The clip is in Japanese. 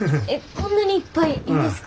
こんなにいっぱいいいんですか？